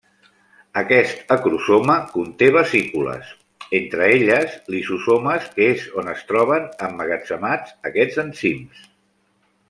Aquest acrosoma conté vesícules, entre elles lisosomes que és on es troben emmagatzemats aquests enzims.